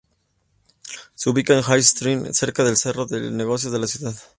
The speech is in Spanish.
Se ubica en Hill Street, cerca del centro de negocios de la ciudad.